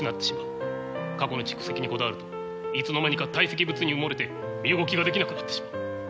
過去の蓄積にこだわるといつの間にか堆積物に埋もれて身動きができなくなってしまう。